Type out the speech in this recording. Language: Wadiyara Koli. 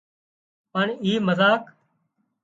پڻ اي مزاق